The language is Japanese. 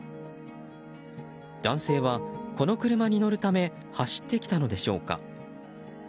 男性は、この車に乗るため走ってきたのでしょうか。